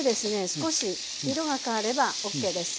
少し色が変わればＯＫです。